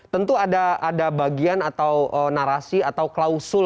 tentu ada bagian atau narasi atau klausul